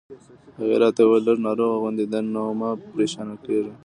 هغې راته وویل: لږ ناروغه غوندې ده، نو مه پرېشانه کېږه.